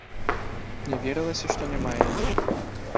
Не верылася, што няма яе.